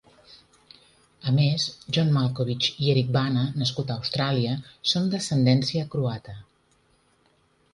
A més, John Malkovich i Eric Bana, nascut a Austràlia, són d'ascendència croata.